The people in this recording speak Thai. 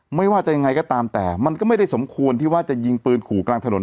ไม่ว่าจะยังไงก็ตามแต่มันก็ไม่ได้สมควรที่ว่าจะยิงปืนขู่กลางถนน